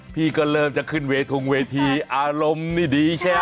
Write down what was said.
พี่ก็เริ่มจะขึ้นเวทงเวทีอารมณ์นี่ดีใช่ไหม